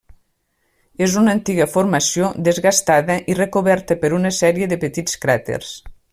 És una antiga formació, desgastada i recoberta per una sèrie de petits cràters.